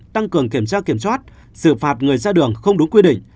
tăng cường kiểm tra kiểm soát xử phạt người ra đường không đúng quy định